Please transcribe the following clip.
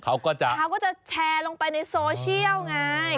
เขาก็จะแชร์ลงไปในโซเชียลไง